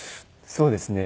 そうですね。